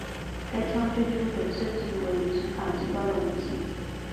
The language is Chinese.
该枪最初被设计为执法机关的武器。